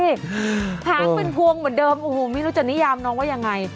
หางเป็นพวงเหมือนเดิมโอ้โหไม่รู้จะนิยามน้องว่ายังไง